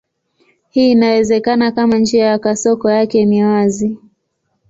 Hii inawezekana kama njia ya kasoko yake ni wazi.